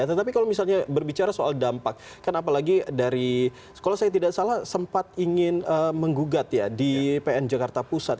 tetapi kalau misalnya berbicara soal dampak kan apalagi dari kalau saya tidak salah sempat ingin menggugat ya di pn jakarta pusat